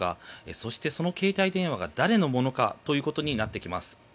そして、その携帯電話が誰のものかということになってきます。